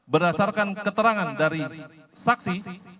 berdasarkan keterangan dari saksi